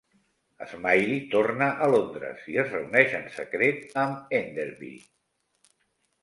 Smiley torna a Londres i es reuneix en secret amb Enderby.